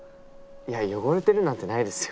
いや汚れてるなんてないですよ。